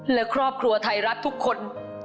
และครอบครัวไทยรัฐทุกคน